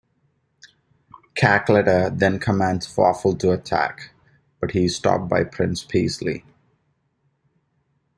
Cackletta then commands Fawful to attack, but he is stopped by Prince Peasley.